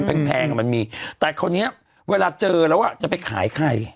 ที่แพงมันมีแต่คนนี้เวลาเจอแล้วอ่ะจะไปขายใคร